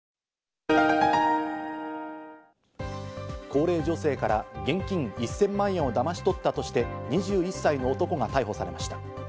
高齢女性から現金１０００万円をだまし取ったとして、２１歳の男が逮捕されました。